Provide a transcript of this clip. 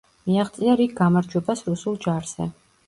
მიაღწია რიგ გამარჯვებას რუსულ ჯარზე.